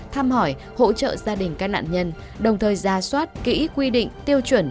tham hỏi hỗ trợ gia đình các nạn nhân đồng thời ra soát kỹ ý quy định tiêu chuẩn